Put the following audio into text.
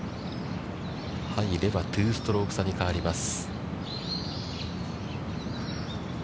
入れば、２ストローク差に変わります。